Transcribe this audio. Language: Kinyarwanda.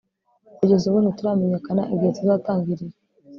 Kugeza ubu ntituramenyekana igihe tuzatangirira